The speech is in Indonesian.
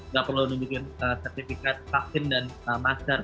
gak perlu nungguin sertifikat vaksin dan masker